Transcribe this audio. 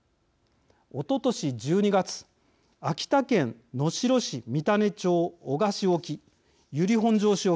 おととし１２月、秋田県能代市・三種町・男鹿市沖由利本荘市沖